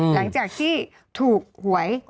หลังจากที่ถูกหวย